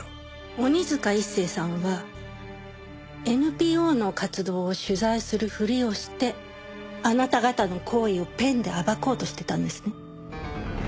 鬼塚一誠さんはＮＰＯの活動を取材するふりをしてあなた方の行為をペンで暴こうとしてたんですね？